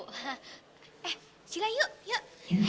eh sila yuk yuk